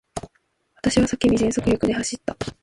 私は叫び、全速力で走った。